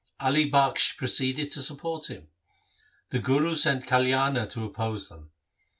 Ali Bakhsh proceeded to support him. The Guru sent Kalyana to oppose them.